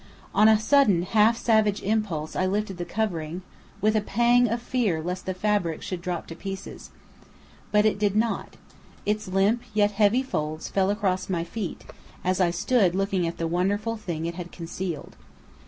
On a sudden half savage impulse I lifted the covering, with a pang of fear lest the fabric should drop to pieces. But it did not. Its limp, yet heavy folds fell across my feet, as I stood looking at the wonderful thing it had concealed.